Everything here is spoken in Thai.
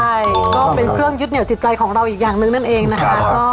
ใช่ก็เป็นเครื่องยึดเหนียวจิตใจของเราอีกอย่างหนึ่งนั่นเองนะคะ